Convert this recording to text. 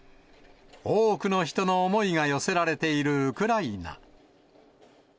多くの人の思いが寄せられているウクライナ。